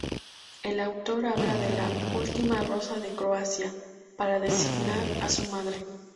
El autor habla de la ""Última Rosa de Croacia"" para designar a su madre.